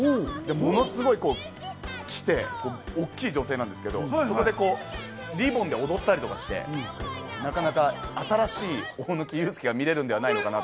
ものすごい着て、大きい女性なんですけど、リボンで踊ったりとかして、なかなか新しい大貫勇輔が見れるんでないかなと。